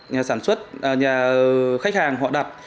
nhà sản xuất nhà khách hàng họ đặt